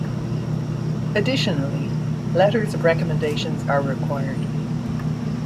Additionally, letters of recommendations are required.